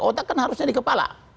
otak kan harusnya di kepala